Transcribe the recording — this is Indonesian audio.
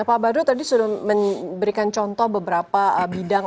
pak badut tadi sudah memberikan contoh beberapa bidang